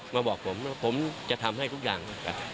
มาบอกผมผมจะทำให้ทุกอย่าง